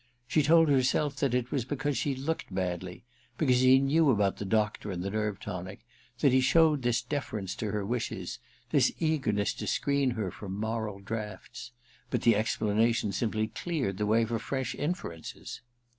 She told herself that it was because she looked badly — because he knew about the doctor and the nerve tonic — that he showed this deference to her wishes, this eagerness to screen her from moral draughts ; but the ex planation simply cleared the way for fresh mferences.